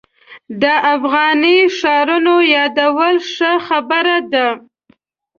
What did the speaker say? د افغاني ښارونو یادول ښه خبره ده.